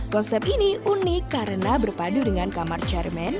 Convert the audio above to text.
konsep ini unik karena berpadu dengan kamar chairman